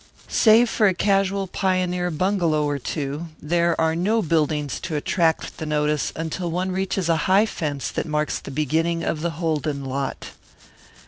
Save for a casual pioneer bungalow or two, there are no buildings to attract the notice until one reaches a high fence that marks the beginning of the Holden lot.